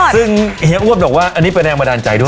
ซึ่งเฮียอ้วนบอกว่าอันนี้เป็นแรงบันดาลใจด้วย